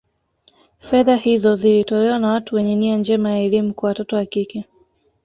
Fedha hizo zilitolewa na watu wenye nia njema ya elimu kwa watoto wa kike